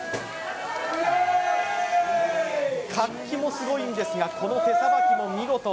活気もすごいんですがこの手さばきも見事。